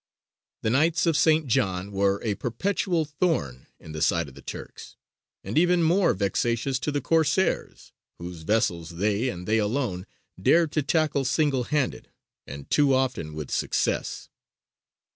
The Knights of St. John were a perpetual thorn in the side of the Turks, and even more vexatious to the Corsairs, whose vessels they, and they alone, dared to tackle single handed, and too often with success.